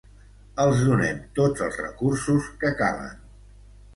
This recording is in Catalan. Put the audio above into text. Els donem tots els recursos que calen.